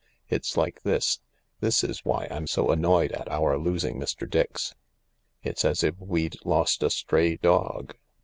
It's like this. This is why I'm so annoyed at our losing Mr. Dix. It's as if we'd lost a stray dog.